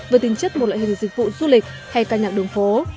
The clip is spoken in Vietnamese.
với tính chất một loại hình dịch vụ du lịch hay ca nhạc đường phố